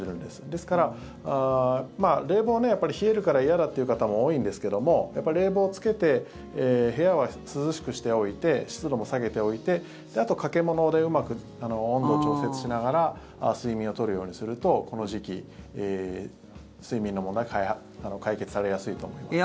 ですから、冷房冷えるから嫌だっていう方も多いんですけどもやっぱり冷房をつけて部屋は涼しくしておいて湿度も下げておいてあと、掛け物でうまく温度を調節しながら睡眠を取るようにするとこの時期、睡眠の問題は解決されやすいと思います。